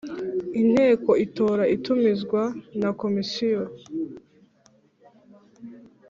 Inteko itora itumizwa na Komisiyo